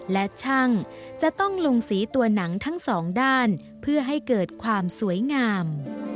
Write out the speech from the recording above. และช่างจะต้องลงสีตัวหนังทั้งสองด้านเพื่อให้เกิดความสวยงาม